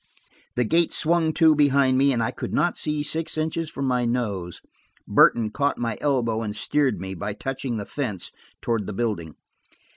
The gate swung to behind me, and I could not see six inches from my nose. Burton caught my elbow and steered me, by touching the fence, toward the building.